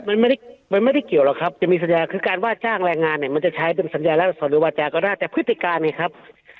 มันไม่ได้มันไม่ได้เกี่ยวหรอกครับจะมีสัญญาคือการว่าจ้างแรงงานเนี่ยมันจะใช้เป็นสัญญาและสอนหรือวาจาก็ได้แต่พฤติการไงครับ